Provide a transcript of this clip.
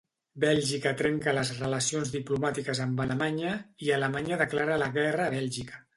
Bèlgica trenca les relacions diplomàtiques amb Alemanya i Alemanya declara la guerra a Bèlgica.